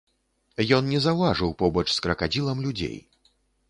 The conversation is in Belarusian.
Ён не заўважыў побач з кракадзілам людзей.